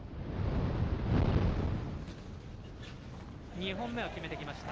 ２本目は決めてきました。